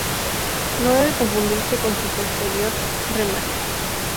No debe confundirse con su posterior "remake".